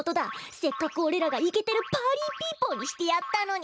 せっかくおれらがイケてるパーリーピーポーにしてやったのに。